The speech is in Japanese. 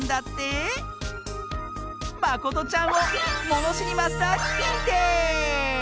まことちゃんをものしりマスターににんてい！